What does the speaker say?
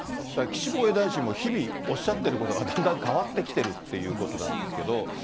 岸防衛大臣も、日々おっしゃってることがだんだん変わってきているということなんですけど。